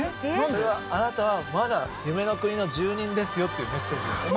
それはあなたはまだ夢の国の住人ですよっていうメッセージだから。